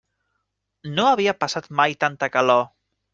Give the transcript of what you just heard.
No havia passat mai tanta calor.